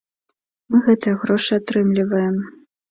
Мы гэтыя грошы атрымліваем.